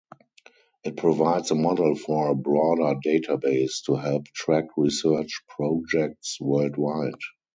It provides a model for a broader database to help track research projects worldwide.